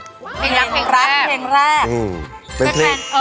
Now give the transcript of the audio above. รักเพลงแรก